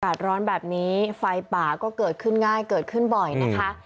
ร้อนแบบนี้ไฟป่าก็เกิดขึ้นง่ายเกิดขึ้นบ่อยนะคะ